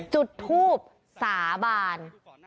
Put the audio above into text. จุดทูบสาบาน